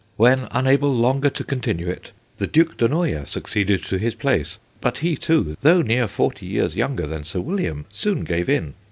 When, unable longer to continue it, the Duke de Noia succeeded to his place ; but he too, though near forty years younger than Sir William, soon gave in.